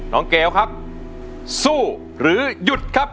น้องเก๋วครับสู้หรือยุดครับ